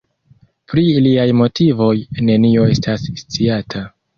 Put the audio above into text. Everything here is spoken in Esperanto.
Pri liaj motivoj nenio estas sciata.